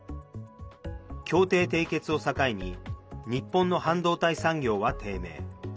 協定締結を境に日本の半導体産業は低迷。